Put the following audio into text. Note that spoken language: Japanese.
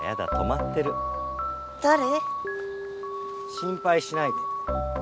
心ぱいしないで。